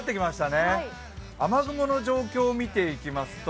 ね雨雲の状況を見ていきますと